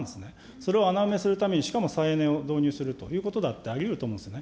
それを穴埋めするために、しかも再エネを導入するということだってありうると思うんですね。